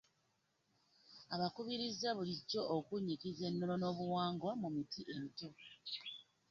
Abakubirizza bulijjo okunnyikiza ennono n'obuwangwa mu miti emito